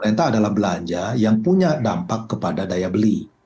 pemerintah adalah belanja yang punya dampak kepada daya beli